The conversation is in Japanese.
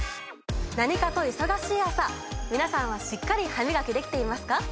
何かと忙しい朝皆さんはしっかり歯みがきできていますか？